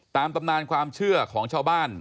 ตำนานความเชื่อของชาวบ้าน